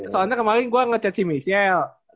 soalnya kemaren gue ngechat si michelle